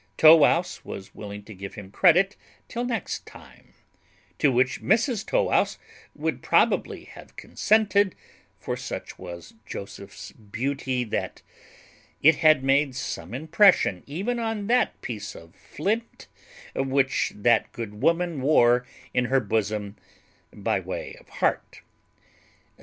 Tow wouse was willing to give him credit till next time, to which Mrs Tow wouse would probably have consented (for such was Joseph's beauty, that it had made some impression even on that piece of flint which that good woman wore in her bosom by way of heart).